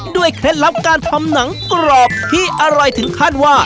เคล็ดลับการทำหนังกรอบที่อร่อยถึงขั้นว่า